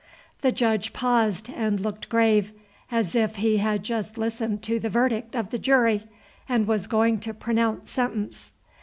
The Judge paused and looked grave, as if he had just listened to the verdict of the jury and was going to pronounce sentence.